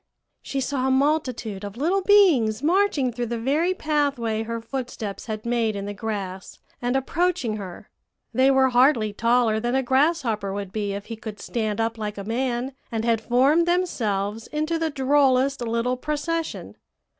she saw a multitude of little beings marching through the very pathway her footsteps had made in the grass, and approaching her. They were hardly taller than a grasshopper would be if he could stand up like a man, and had formed themselves into the drollest little procession.